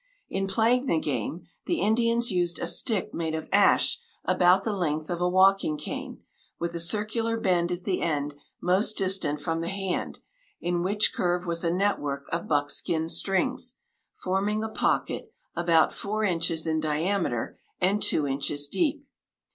In playing the game, the Indians used a stick made of ash about the length of a walking cane with a circular bend at the end most distant from the hand, in which curve was a network of buckskin strings, forming a pocket, about four inches in diameter and two inches deep.